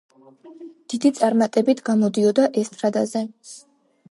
დიდი წარმატებით გამოდიოდა ესტრადაზე.